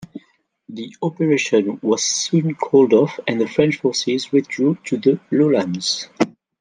The operation was soon called off and the French forces withdrew to the lowlands.